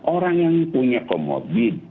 orang yang punya komodit